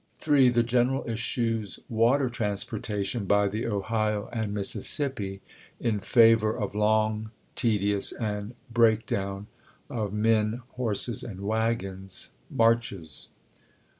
3. The general eschews water transportation by the Ohio and Mississippi in favor of long, tedious, and break down (of men, horses, and wagons) marches.